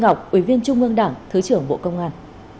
nguyễn duy ngọc ủy viên trung ương đảng thứ trưởng bộ công an